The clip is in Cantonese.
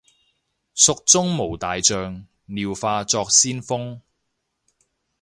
蜀中無大將，廖化作先鋒